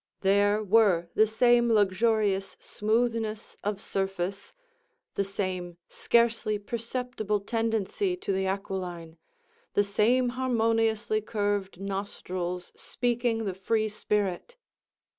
There were the same luxurious smoothness of surface, the same scarcely perceptible tendency to the aquiline, the same harmoniously curved nostrils speaking the free spirit.